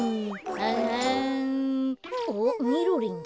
あっみろりんだ。